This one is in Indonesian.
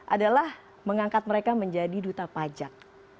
adalah mengangkat mereka menjadi duta pajak